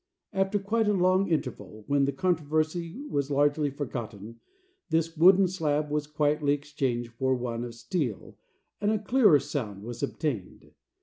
After quite a long interval, when the controversy was largely forgotten, this wooden slab was quietly exchanged for one of steel, and a clearer sound was obtained.